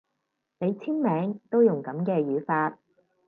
你簽名都用噉嘅語法